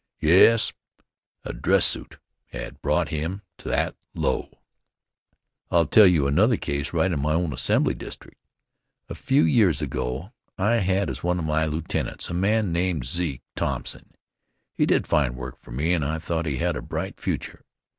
Yes, a dress Suit had brought him that low! I'll tell you another case right in my own Assembly District. A few years ago I had as one of my lieutenants a man named Zeke Thompson. He did fine work for me and I thought he had a bright future.